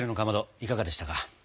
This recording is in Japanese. いかがでしたか。